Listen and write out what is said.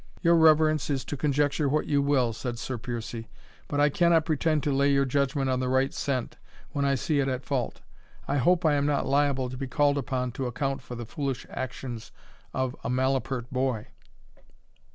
"Your reverence is to conjecture what you will," said Sir Piercie; "but I cannot pretend to lay your judgment on the right scent when I see it at fault. I hope I am not liable to be called upon to account for the foolish actions of a malapert boy?"